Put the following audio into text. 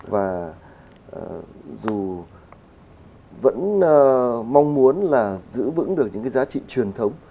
và dù vẫn mong muốn là giữ vững được những cái giá trị truyền thống